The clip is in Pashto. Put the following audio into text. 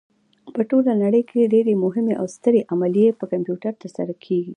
په ټوله نړۍ کې ډېرې مهمې او سترې عملیې په کمپیوټر ترسره کېږي.